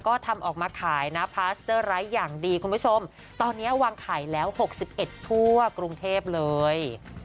ก็ทำออกมาขายนะพาสเตอร์ไร้อย่างดีคุณผู้ชมตอนนี้วางขายแล้ว๖๑ทั่วกรุงเทพเลย